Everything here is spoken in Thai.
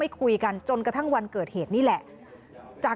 มีคนร้องบอกให้ช่วยด้วยก็เห็นภาพเมื่อสักครู่นี้เราจะได้ยินเสียงเข้ามาเลย